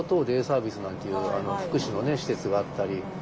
デイサービスなんていう福祉の施設があったり。